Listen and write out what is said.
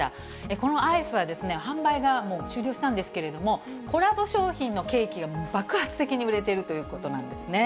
このアイスは販売がもう終了したんですけれども、コラボ商品のケーキが爆発的に売れているということなんですね。